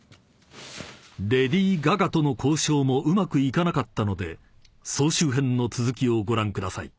［レディー・ガガとの交渉もうまくいかなかったので総集編の続きをご覧ください］